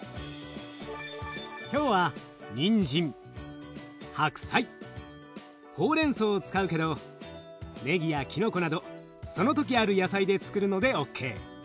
今日はにんじん白菜ほうれん草を使うけどねぎやキノコなどその時ある野菜でつくるのでＯＫ。